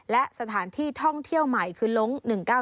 และสถานที่ท่องเที่ยวใหม่คือล้ง๑๙๙